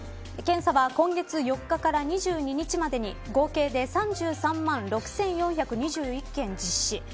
検査は今月４日から２２日までに合計で３３万６４２１件実施。